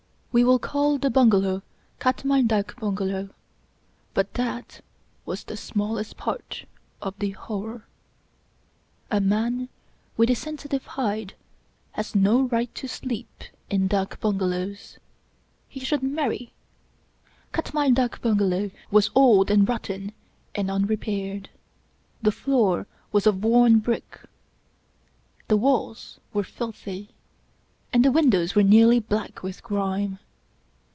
We will call the bungalow Katmal dak bungalow. But that was the smallest part of the horror. A man with a sensitive hide has no right to sleep in dak bungalows. He should marry. Katmal dak bungalow was old and rotten and unrepaired. The floor was of worn brick, the walls were filthy, and the windows were nearly black with grime.